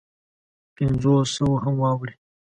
پنځو سوو هم واوړي.